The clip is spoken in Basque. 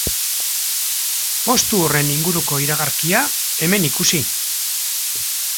Postu horren inguruko iragarkia hemen ikusi.